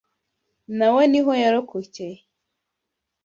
Na we niho yarokokeye